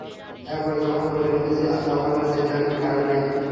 একবার যখন বলে ফেলেছি তখন আর চিন্তার কোনো কারণ নেই।